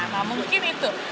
nah mungkin itu